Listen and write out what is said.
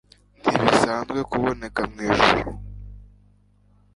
ntibisanzwe kuboneka mwijuru